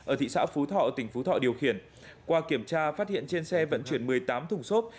ở thị xã phú thọ tỉnh phú thọ điều khiển qua kiểm tra phát hiện trên xe vận chuyển một mươi tám thùng xốp